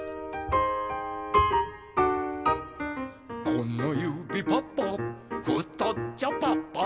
「このゆびパパふとっちょパパ」